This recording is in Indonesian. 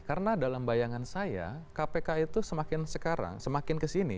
karena dalam bayangan saya kpk itu semakin sekarang semakin kesini